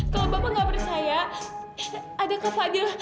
kalau bapak nggak percaya ada kak fadil